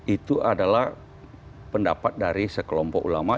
itu adalah pendapat dari sekelompok ulama